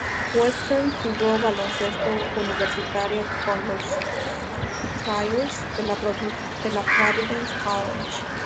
Western jugó baloncesto universitario con los "Friars" de la Providence College.